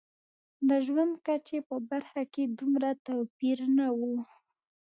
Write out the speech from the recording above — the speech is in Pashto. د ژوند کچې په برخه کې دومره توپیر نه و.